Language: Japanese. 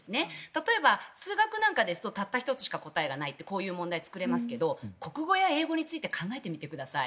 例えば数学ですとたった１つしか答えがないってこういう問題を作れますが国語や英語について考えてみてください。